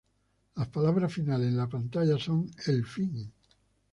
Las palabras finales en la pantalla son "El fin...